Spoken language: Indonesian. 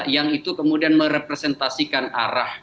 yang itu kemudian merepresentasikan arah